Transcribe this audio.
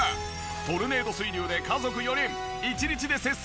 トルネード水流で家族４人１日で節水できる量が。